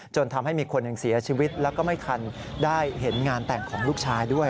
จนทำให้มีคนหนึ่งเสียชีวิตแล้วก็ไม่ทันได้เห็นงานแต่งของลูกชายด้วย